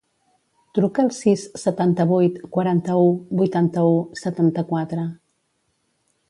Truca al sis, setanta-vuit, quaranta-u, vuitanta-u, setanta-quatre.